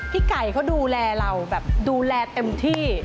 พี่ไก่เขาดูแลเราแบบดูแลเต็มที่